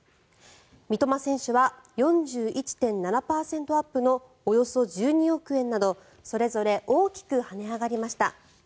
三笘選手は４１．７％アップのおよそ１２億円などそれぞれ大きく跳ね上がりました。